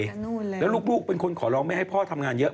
เพราะลูกเป็นคนขอร้องไม่ให้พ่อทำงานเยอะ